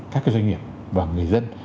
các cái doanh nghiệp và người dân